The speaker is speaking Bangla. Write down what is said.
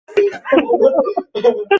আপনি তো জানেন, আমি তাঁর কথা গ্রাহ্যই করি না।